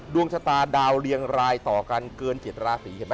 ดวงชะตาดาวเรียงรายต่อกันเกิน๗ราศีเห็นไหม